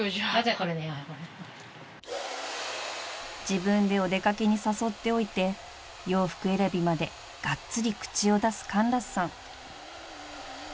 ［自分でお出掛けに誘っておいて洋服選びまでがっつり口を出すカンラスさん］